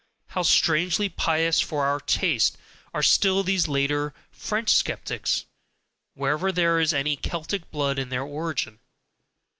How strangely pious for our taste are still these later French skeptics, whenever there is any Celtic blood in their origin!